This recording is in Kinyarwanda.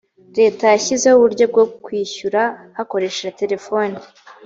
leta yashyizeho uburyo bwo kwishyura hakoreshejwe telefone